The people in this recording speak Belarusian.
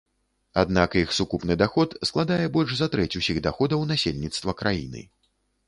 Аднак іх сукупны даход складае больш за трэць усіх даходаў насельніцтва краіны.